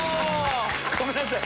ごめんなさい。